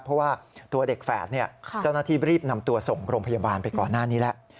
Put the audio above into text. เพราะว่าตัวเด็กแฝดเจ้าหน้าที่รีบนำตัวส่งโรงพยาบาลไปก่อนหน้านี้แล้ว